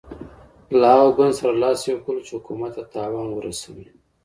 له هغه ګوند سره لاس یو کول چې حکومت ته تاوان ورسوي.